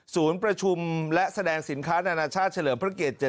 ศูนย์ประชุมและแสดงสินค้านานาชาติเฉลิมพระเกต